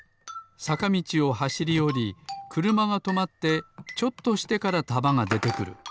さかみちをはしりおりくるまがとまってちょっとしてからたまがでてくる。